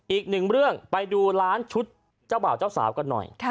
อีกหนึ่งเรื่องไปดูร้านชุดเจ้าบ่าวเจ้าสาวกันหน่อย